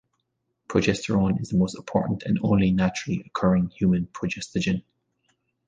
Progesterone is the most important and only naturally occurring human progestogen.